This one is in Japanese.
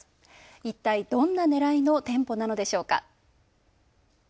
一体、どんなねらいの店舗なのでしょうか。